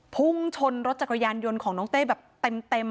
พุ่งชนรถจักรยานยนต์ของน้องเต้แบบเต็ม